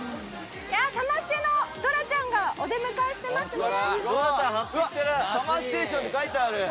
サマステのドラちゃんがお出迎えしてますね。